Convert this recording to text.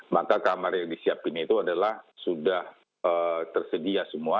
maka kamar yang disiapkan itu adalah sudah tersedia semua